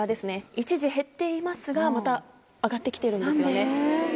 一時減っていますがまた上がって来てるんですよね。